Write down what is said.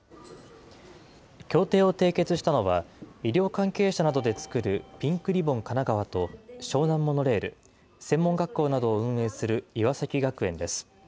協定を締結したのは、医療関係者などで作るピンクリボンかながわと湘南モノレール、専門学校などを運営する岩崎学園です。